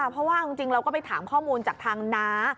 เพราะว่าจริงเราก็ไปถามข้อมูลจากทางน้า